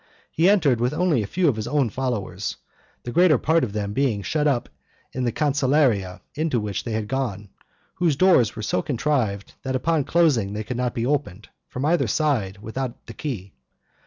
He entered with only a few of his followers, the greater part of them being shut up in the cancelleria into which they had gone, whose doors were so contrived, that upon closing they could not be opened from either side, without the key.